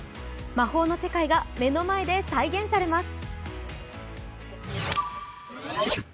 魔法の世界が目の前で再現されます。